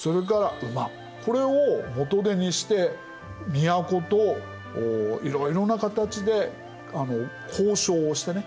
これを元手にして都といろいろな形で交渉をしてね